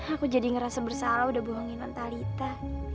aku jadi ngerasa bersalah udah bohongin nontalita